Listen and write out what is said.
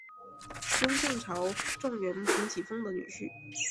雍正朝状元彭启丰的女婿。